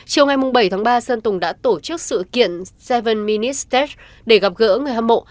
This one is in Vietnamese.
chiều ngày bảy tháng ba sơn tùng đã tổ chức sự kiện bảy minutes stage để gặp gỡ người hâm mộ